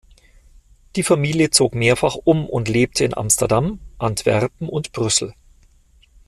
Die Familie zog mehrfach um und lebte in Amsterdam, Antwerpen und Brüssel.